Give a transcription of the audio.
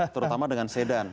terutama dengan sedan